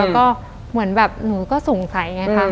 อย่างนึงก็สงสัยไงค่ะ